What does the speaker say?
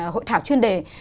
hội thảo chuyên đề